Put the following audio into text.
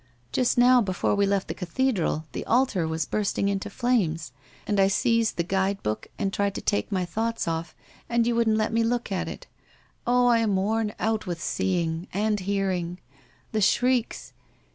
Just now before we left the cathedral, the altar was bursting into flames and I seized the guide book and tried to take my thoughts off, and you wouldn't let me look at it. Oh, I am worn out with seeing — and hear ing! The shrieks!